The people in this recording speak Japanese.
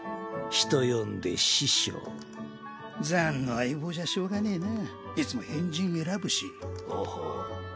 人呼んで師匠ザンの相棒じゃしょうがねぇないつも変人選ぶしほほう